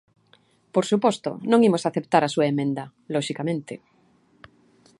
Por suposto, non imos aceptar a súa emenda, loxicamente.